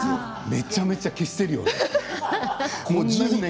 めちゃめちゃ消してるよね。